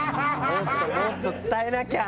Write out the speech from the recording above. もっともっと伝えなきゃ！